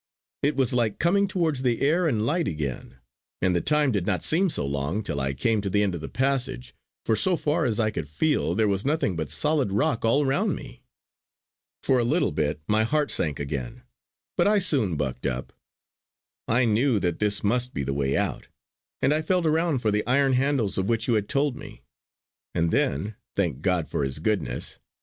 It was like coming towards the air and light again; and the time did not seem so long till I came to the end of the passage, for so far as I could feel there was nothing but solid rock all round me. For a little bit my heart sank again; but I soon bucked up. I knew that this must be the way out; and I felt around for the iron handles of which you had told me. And then, Thank God for His goodness!